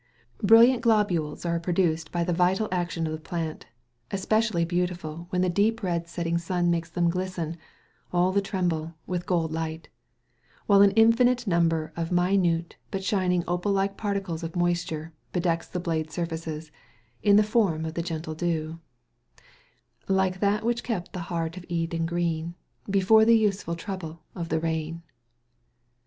Brilliant globules are produced by the vital action of the plant, especially beautiful when the deep red setting sun makes them glisten, all a tremble, with gold light; while an infinite number of minute but shining opal like particles of moisture bedecks the blade surfaces, in the form of the gentle dew "Like that which kept the heart of Eden green Before the useful trouble of the rain."